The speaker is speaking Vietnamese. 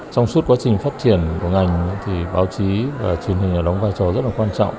trong suốt quá trình phát triển của ngành báo chí và truyền hình đóng vai trò rất quan trọng